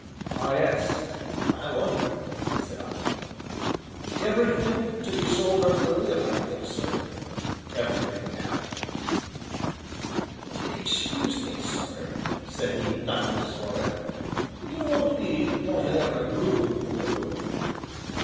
"Ah, yes, I wonder," said I. "Everything to be sold under the will, I think, sir?" "Everything, Adam." "Excuse me, sir," said he, knuckling his forehead, "you won't be wanting ever a groom, will you?"